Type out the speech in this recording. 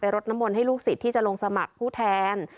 ไปรดน้ำมนให้ลูกข์สิทธิที่จะลงสมัครผู้แทน